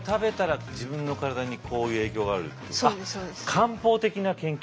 漢方的な研究？